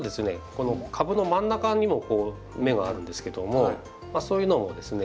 この株の真ん中にも芽があるんですけどもそういうのもですね